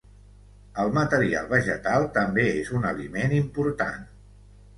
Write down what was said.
El material vegetal també és un aliment important.